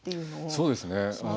そうですね。